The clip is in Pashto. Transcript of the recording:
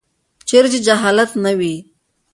چیرې چې جهالت نه وي.